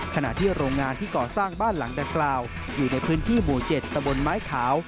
ขณะที่โรงงานที่ก่อสร้างบ้านหลังดังกล่าวอยู่ในพื้นที่หมู่๗ตะบนไม้ขาว